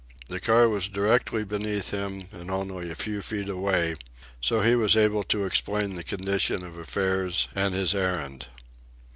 The car was directly beneath him and only a few feet away, so he was able to explain the condition of affairs and his errand.